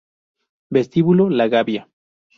Vestíbulo La Gavia